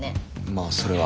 まあそれは。